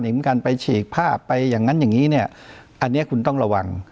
หรือการไปฉีกผ้าไปอย่างนั้นอย่างนี้อันนี้คุณต้องระวัง